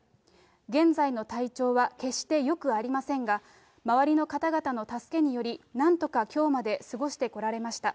現在の体調は決してよくありませんが、周りの方々の助けにより、なんとかきょうまで過ごしてこられました。